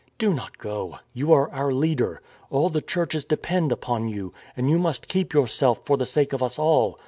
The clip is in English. " Do not go. You are our leader. All the churches depend upon you, and you must keep yourself for the sake of us all.